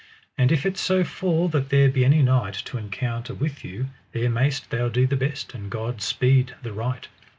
And if it so fall that there be any knight to encounter with you, there mayst thou do the best, and God speed the right.